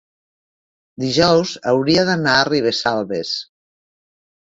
Dijous hauria d'anar a Ribesalbes.